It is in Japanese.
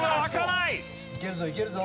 いけるぞいけるぞ。